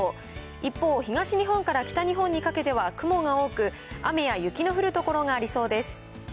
一方、東日本から北日本にかけては雲が多く、雨や雪の降る所がありそうです。